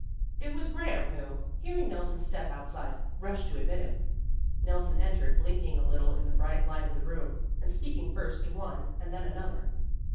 It was Graham who, hearing Nelson's step outside, rushed to admit him. Nelson entered, blinking a little in the bright light of the room, and speaking first to one and then another.